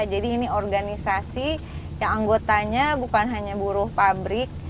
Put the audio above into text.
jadi ini organisasi yang anggotanya bukan hanya buruh pabrik